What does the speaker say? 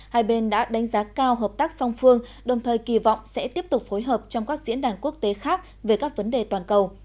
hai bên đã đánh giá cao hợp tác song phương đồng thời kỳ vọng sẽ tiếp tục phối hợp trong các diễn đàn quốc tế khác về các vấn đề toàn cầu